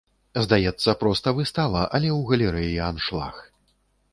Здаецца, проста выстава, але ў галерэі аншлаг.